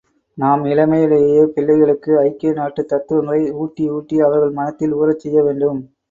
நாம் இளமையிலேயே பிள்ளைகளுக்கு ஐக்கிய நாட்டுத் தத்துவங்களை ஊட்டி ஊட்டி அவர்கள் மனத்தில் ஊறச் செய்ய வேண்டும்.